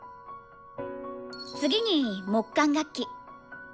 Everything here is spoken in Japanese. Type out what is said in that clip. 次に木管楽器。